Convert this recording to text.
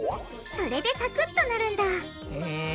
それでサクッとなるんだへぇ。